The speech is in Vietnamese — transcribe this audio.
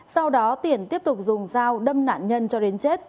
sau đó tiển tiếp tục dùng dao đâm nạn nhân cho đến chết